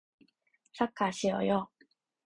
サッカーしようよ